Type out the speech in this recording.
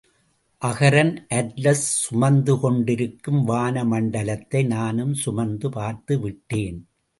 அகரன் Atlas சுமந்துகொண்டிருக்கும் வான மண்டலத்தை நானும் சுமந்து பார்த்துவிட்டேன்.